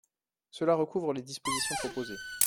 Cela recouvre les dispositions proposées.